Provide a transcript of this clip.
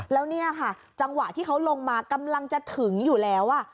แล้วเนี่ยค่ะจังหวะที่เขาลงมากำลังจะถึงอยู่แล้ว